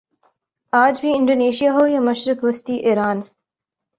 آج بھی انڈونیشیا ہو یا مشرق وسطی ایران